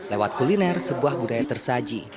lewat kuliner sebuah budaya tersaji